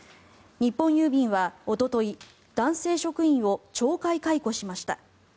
日本郵便はおととい男性職員を懲戒解雇しました。